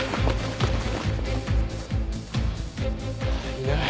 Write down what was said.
いない。